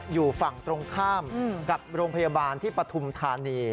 อยู่ฝั่งตรงข้ามกับโรงพยาบาลที่ปฐุมธานี